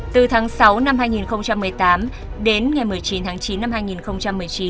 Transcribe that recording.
từ tháng sáu năm hai nghìn một mươi tám đến ngày một mươi chín tháng chín năm hai nghìn một mươi chín